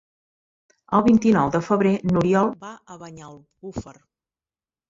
El vint-i-nou de febrer n'Oriol va a Banyalbufar.